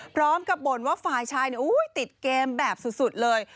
พร้อมกับบ่นว่าไฟล์ชายติดเกมแบบสุดเลย